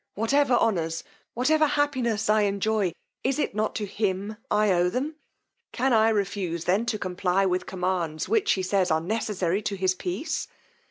Whatever honours, whatever happiness I enjoy, is it not to him I owe them! Can I refuse then to comply with commands, which, he says, are necessary to his peace!